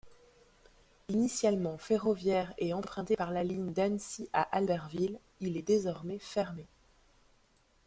Initialement ferroviaire et emprunté par la ligne d'Annecy à Albertville, il est désormais fermé.